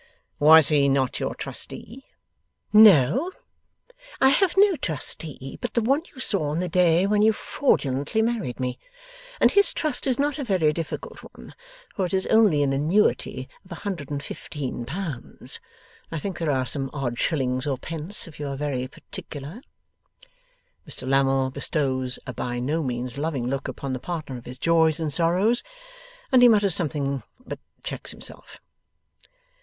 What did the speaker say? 'Was he not your trustee?' 'No. I have no trustee, but the one you saw on the day when you fraudulently married me. And his trust is not a very difficult one, for it is only an annuity of a hundred and fifteen pounds. I think there are some odd shillings or pence, if you are very particular.' Mr Lammle bestows a by no means loving look upon the partner of his joys and sorrows, and he mutters something; but checks himself.